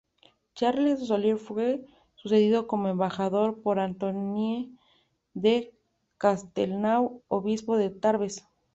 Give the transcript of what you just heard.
Charles de Solier fue sucedido como embajador por Antoine de Castelnau, obispo de Tarbes.